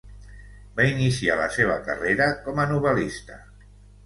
Va iniciar la seva carrera com a novel·lista.